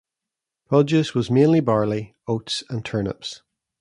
Produce was mainly barley, oats and turnips.